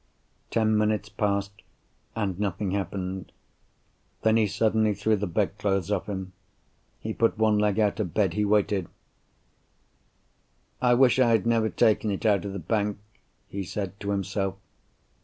Ten minutes passed—and nothing happened. Then, he suddenly threw the bed clothes off him. He put one leg out of bed. He waited. "I wish I had never taken it out of the bank," he said to himself.